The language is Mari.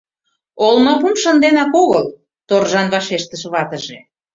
Олмапум шынденак огыл, — торжан вашештыш ватыже.